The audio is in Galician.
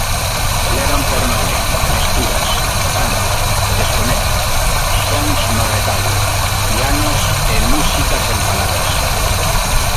Levan por nome: Mesturas, Danza, Desconecta, Sons no Retablo, Pianos e Música sen Palabras.